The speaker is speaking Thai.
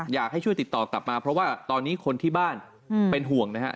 อยากให้ช่วยติดต่อกลับมาเพราะว่าตอนนี้คนที่บ้านเป็นห่วงนะฮะ